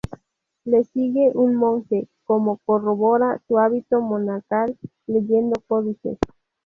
Le sigue un monje, como corrobora su hábito monacal, leyendo códice.